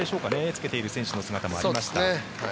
つけている選手の姿もありました。